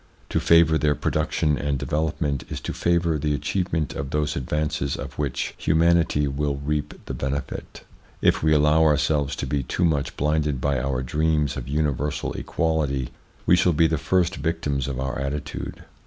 To favour their production and development is to favour the achievement of those advances of which humanity will reap the benefit. If we allow ourselves to be too much blinded by our dreams of universal equality we shall be the first victims of our attitude.